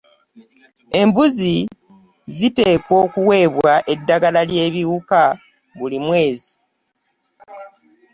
Embuzi ziteekwa okuweebwa eddagala ly’ebiwuka buli mwezi.